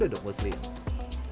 kota yang terbaik untuk anda